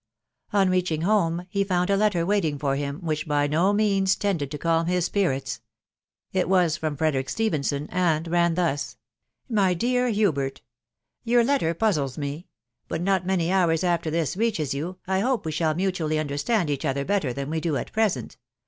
On reaching home, be found a letter waiting fbr bhn, wbidi by no means tended to calm bis spirits. It was from Fwdnkt Stephenson, and ran thus —" My dear Hubbbt, u Your letter puzzles me ; but not many hours after this reaches you, I hope we shall mutually understand each other better than we do at present.